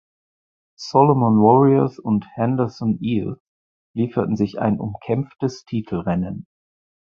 Solomon Warriors und Henderson Eels lieferten sich ein umkämpftes Titelrennen.